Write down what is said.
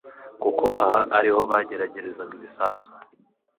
kuko aha ariho bageragerezaga ibisasu